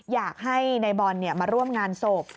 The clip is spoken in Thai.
อยากให้นายบอลมาร่วมงานศพ